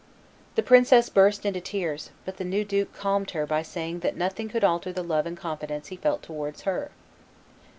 The princess burst into tears; but the new duke calmed her by saying that nothing could alter the love and confidence he felt towards her.